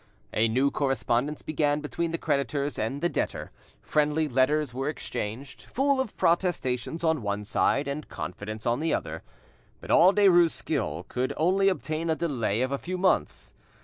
A new correspondence began between the creditors and the debtor; friendly letters were exchanged, full of protestations on one side and confidence on the other. But all Derues' skill could only obtain a delay of a few months.